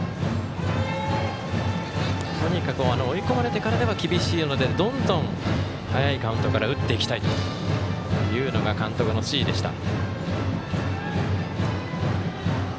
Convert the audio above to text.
とにかく追い込まれてからでは厳しいのでどんどん早いカウントから打っていきたいというのが監督の指示でした。